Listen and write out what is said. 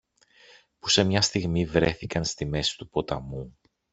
που σε μια στιγμή βρέθηκαν στη μέση του ποταμού